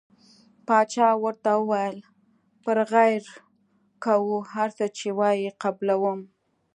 باچا ورته وویل پر غیر کوو هر څه چې وایې قبلووم.